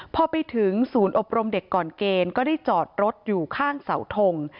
พอไปถึงศูนย์อบรมเด็กก่อนเกณฑ์